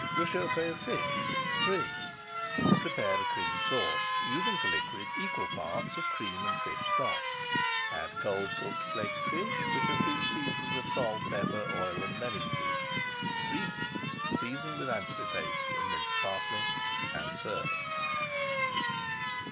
RÉCHAUFFÉ OF FISH III Prepare a Cream Sauce, using for liquid equal parts of cream and fish stock. Add cold cooked flaked fish which has been seasoned with salt, pepper, oil, and lemon juice. Reheat, season with anchovy paste and minced parsley, and serve.